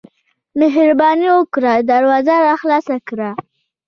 مهرباني وکړه دروازه راخلاصه کړه.